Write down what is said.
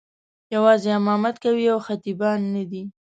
یوازې امامت کوي او خطیبان نه دي.